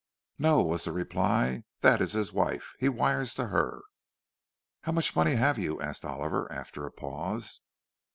"No," was the reply. "That is his wife. He wires to her." "—How much money have you?" asked Oliver, after a pause.